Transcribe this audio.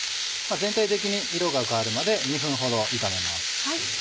全体的に色が変わるまで２分ほど炒めます。